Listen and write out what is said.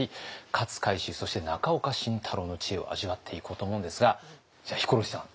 勝海舟そして中岡慎太郎の知恵を味わっていこうと思うんですがじゃあヒコロヒーさん。